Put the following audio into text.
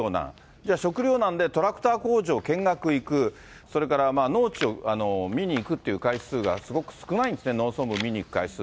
じゃあ食料難でトラクター工場見学行く、それから農地を見に行くっていう回数がすごく少ないんですね、農村部見に行く回数。